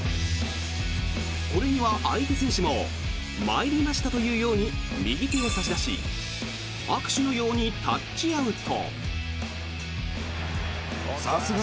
これには相手選手も参りましたというように右手を差し出し握手のようにタッチアウト。